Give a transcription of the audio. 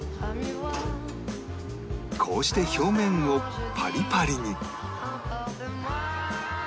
こうして表面をパリパリに